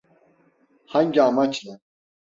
Hangi amaçla?